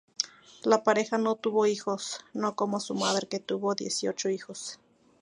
La pareja no tuvo hijos, no como su madre que tuvo dieciocho hijos.